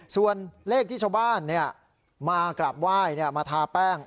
ส่วนเลขที่ชาวบ้านเนี่ยมากราบไหว้เนี่ยมาทาแป้ง